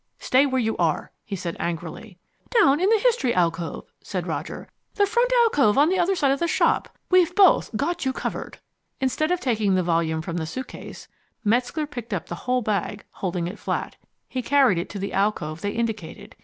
"Stay where you are," he said angrily. "Down in the History alcove," said Roger. "The front alcove on the other side of the shop. We've both got you covered." Instead of taking the volume from the suitcase, Metzger picked up the whole bag, holding it flat. He carried it to the alcove they indicated.